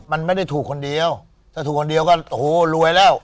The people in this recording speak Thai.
มันไม่ได้ถูกคนเดียวถ้าถูกคนเดียวก็โอ้โหรวยแล้ว